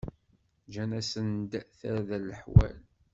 Ǧǧan-asen-d tarda n leḥwal.